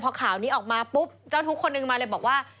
พอข่าวนี้ออกมาปุ๊บเจ้าทุกคนนึงมาเลยบอกว่า